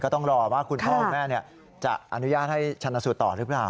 ต้องรอว่าคุณพ่อคุณแม่จะอนุญาตให้ชนะสูตรต่อหรือเปล่า